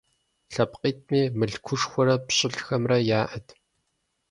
ЛъэпкъитӀми мылъкушхуэрэ пщылӀхэмрэ яӀэт.